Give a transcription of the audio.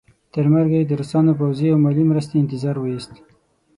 تر مرګه یې د روسانو پوځي او مالي مرستې انتظار وایست.